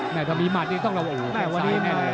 ถ้ามีมัดนี่ต้องระโหงของซ้ายแน่เลย